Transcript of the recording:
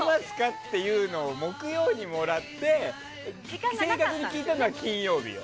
っていうのを木曜にもらって正確に聞いたのは金曜日よ。